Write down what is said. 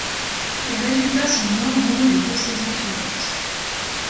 Les résultats sont moins bons les deux saisons suivantes.